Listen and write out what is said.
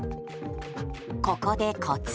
ここでコツ。